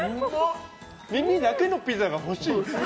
耳だけのピザが欲しい！